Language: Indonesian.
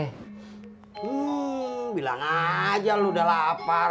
hmm bilang aja lo udah lahir